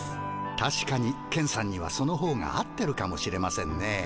たしかにケンさんにはそのほうが合ってるかもしれませんね。